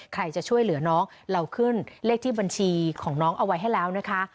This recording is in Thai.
ใครจะช่วยเหลือน้องเราขึ้นเลขที่บัญชีของน้องเอาไว้ให้แล้วนะคะ